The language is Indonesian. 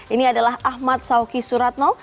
ini adalah ahmad sauki suratno